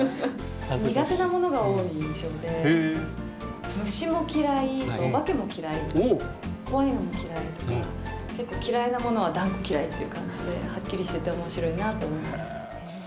苦手なものが多い印象で、虫も嫌い、お化けも嫌い、怖いもの嫌いとか、結構嫌いなものは断固嫌いっていう感じで、はっきりしてておもしろいなって思います。